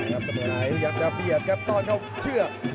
กำลังพยายามจะเบียดครับตอนเขาเชื่อ